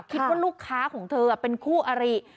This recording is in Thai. คิดว่าลูกค้าของเธอเป็นคู่อริ